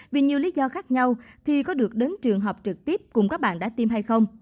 vì nhiều lý do khác nhau thì có được đến trường học trực tiếp cùng các bạn đã tiêm hay không